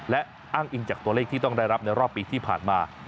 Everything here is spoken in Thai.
และอ้างอิงจากตัวเลขที่ต้องได้รับในรอบปีที่ผ่านมา